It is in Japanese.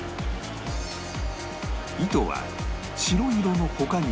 糸は白色の他に